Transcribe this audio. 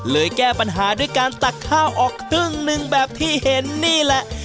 แก้ปัญหาด้วยการตักข้าวออกครึ่งหนึ่งแบบที่เห็นนี่แหละ